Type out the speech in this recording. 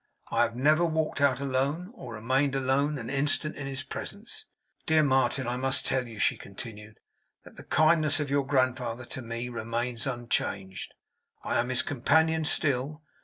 I have never walked out alone, or remained alone an instant in his presence. Dear Martin, I must tell you,' she continued, 'that the kindness of your grandfather to me remains unchanged. I am his companion still.